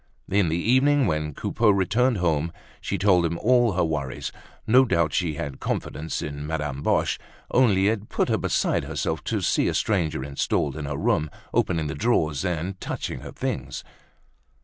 In the evening, when Coupeau returned home, she told him all her worries; no doubt she had confidence in Madame Boche, only it put her beside herself to see a stranger installed in her room, opening the drawers, and touching her things.